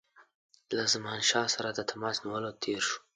له زمانشاه سره د تماس نیولو تېر شو.